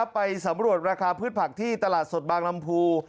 ไปสำรวจราคาพืชผักที่ตลาดสดบางลำพู